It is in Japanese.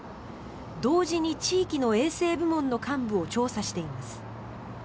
同時に地域の衛生部門の幹部を調査しています。